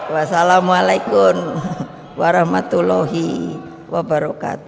wassalamualaikum warahmatullahi wabarakatuh